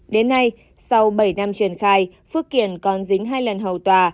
đến nay sau bảy năm truyền khai phước kiển còn dính hai lần hậu tòa